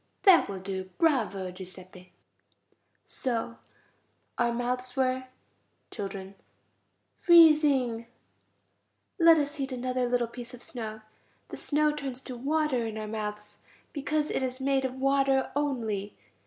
That will do. Bravo, Giuseppe. So our mouths were ... Children. Freezing. Let us eat another little piece of snow. The snow turns to water in our mouths, because it is made of water only.